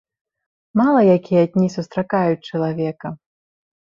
Мала якія дні сустракаюць чалавека.